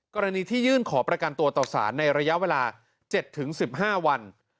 กรณีที่ยื่นขอประกันตัวต่อสารในระยะเวลา๗๑๕วัน